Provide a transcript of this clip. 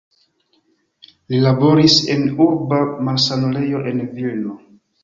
Li laboris en urba malsanulejo en Vilno.